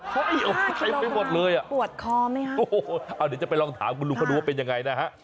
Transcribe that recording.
๕กิโลกรัมปวดคอมไหมคะโอ้โหเอาเดี๋ยวจะไปลองถามคุณลุงคนนู้นว่าเป็นยังไงนะฮะ